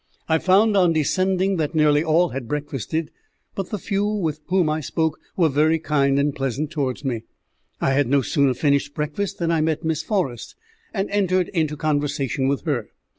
I found, on descending, that nearly all had breakfasted, but the few with whom I spoke were very kind and pleasant towards me. I had no sooner finished breakfast than I met Miss Forrest, and entered into conversation with her.